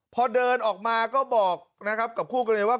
พอเดินออกมาก็บอกนะครับกับคู่กรณีว่า